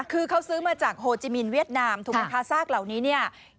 คือเขาซื้อมาจากโฮจิมินเวียดนามถูกไหมคะซากเหล่านี้เนี่ย